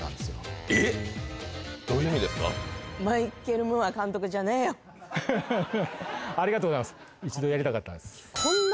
どういう意味ですかありがとうございます